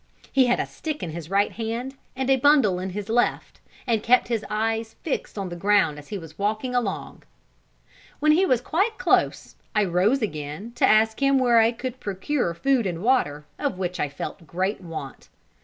He had a stick in his right hand, and a bundle in his left, and kept his eyes fixed on the ground as he walked along. When he was quite close, I rose again, to ask him where I could procure food and water, of which I felt great want.